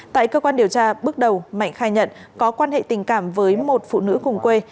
tại cơ quan điều tra bước đầu mạnh khai nhận có quan hệ tình cảm với một phụ nữ cùng quê